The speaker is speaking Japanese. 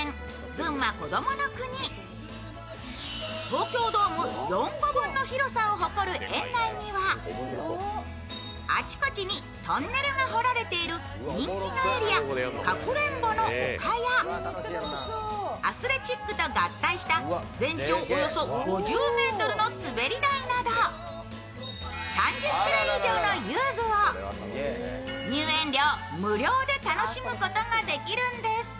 東京ドーム４個分の広さを誇る園内にはあちこちにトンネルが掘られている人気のエリア、かくれんぼの丘やアスレチックと合体した全長およそ５０ｍの滑り台など３０種類以上の遊具を入園料無料で楽しむことができるんです。